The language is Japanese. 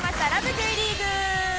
Ｊリーグ』！